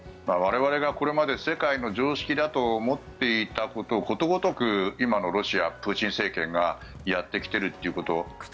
我々がこれまで世界の常識だと思っていたことをことごとく今のロシア、プーチン政権がやってきているということ。